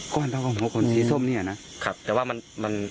ก็ต้องหัวคนสีส้มเนี้ยนะค่ะแต่ว่ามันมัน